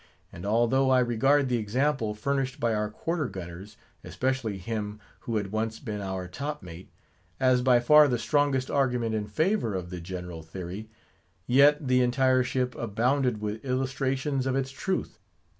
And al though I regard the example furnished by our quarter gunners—especially him who had once been our top mate—as by far the strongest argument in favour of the general theory; yet, the entire ship abounded with illustrations of its truth.